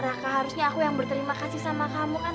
raka harusnya aku yang berterima kasih sama kamu kan